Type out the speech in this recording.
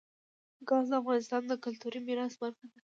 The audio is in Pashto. ګاز د افغانستان د کلتوري میراث برخه ده.